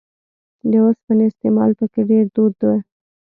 د اوسپنې استعمال په کې ډېر دود و